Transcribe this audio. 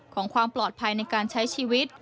ของความปลอดภัยในการใช้ชีวิต